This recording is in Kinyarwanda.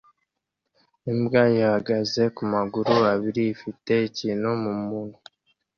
Imbwa ihagaze kumaguru abiri ifite ikintu mumunwa